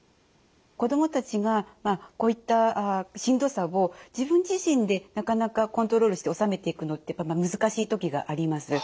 子どもたちがこういったしんどさを自分自身でなかなかコントロールして収めていくのって難しい時があります。